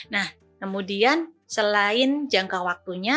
nah kemudian selain jangka waktunya